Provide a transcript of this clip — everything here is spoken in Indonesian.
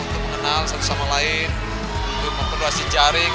untuk mengenal satu sama lain untuk memperluasi jaring